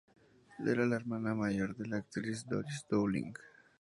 Era la hermana mayor de la actriz Doris Dowling.